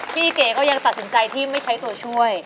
เก๋ก็ยังตัดสินใจที่ไม่ใช้ตัวช่วย